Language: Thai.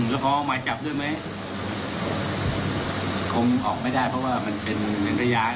แล้วพอมาจับด้วยมั้ยคงออกไม่ได้เพราะว่ามันเป็นระยะ